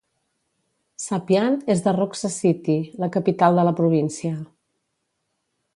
Sapian és de Roxas City, la capital de la província.